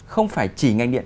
không phải chỉ ngành điện